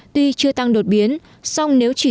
tuy chưa tăng đột biến song nếu chỉ